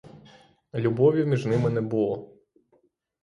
Любові між ними не було.